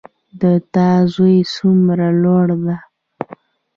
د تا زوی څومره لوړ ده